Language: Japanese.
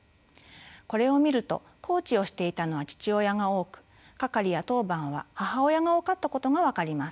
これを見るとコーチをしていたのは父親が多く係や当番は母親が多かったことが分かります。